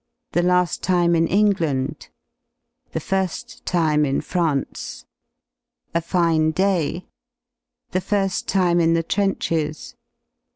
§The las^ time in England. § The firsl time in France. § A fine day. § The firs^ time in the trenches.